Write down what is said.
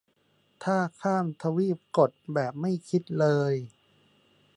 ถ้าข้ามทวีปกด แบบไม่คิดเลย